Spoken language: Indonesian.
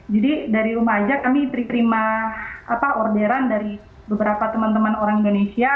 jadi dari rumah aja kami terima orderan dari beberapa teman teman orang indonesia